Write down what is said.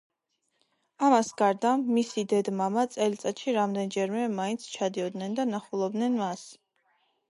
ამას გარდა, მისი დედ-მამა წელიწადში რამდენჯერმე მაინც ჩადიოდნენ და ნახულობდნენ მას.